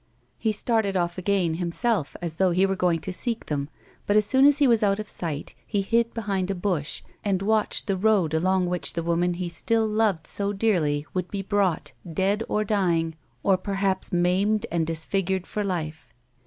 He started off again, himself, as though he were going to seek them, but, as soon as he was out of sight, he hid behind a bush, and watched the road along which the woman he still loved so dearly would be brought dead or dying, or perhaps maimed and disfigured for life.